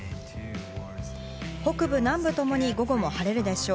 北部、南部ともに午後も晴れるでしょう。